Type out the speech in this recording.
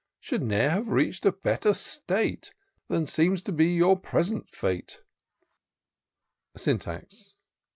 Should ne'er have reach'd a better state. Than seems to be your present fate." Syntax.